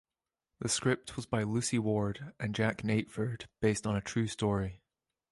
The script was by Luci Ward and Jack Natteford based on a true story.